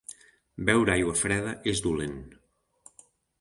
Beure aigua freda és dolent.